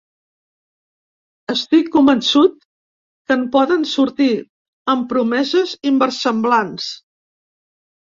Estic convençut que en poden sortir, amb promeses inversemblants.